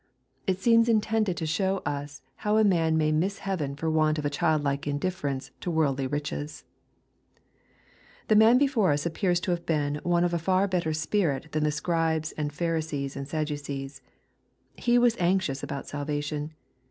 It seems intended to show us how a man may miss heaven for want of a childlike indifference to worldly richea The man before us appears to have been one of a far better spirit than the Scribes, and Pharisees, and Sadducees, He was anxious about salvation.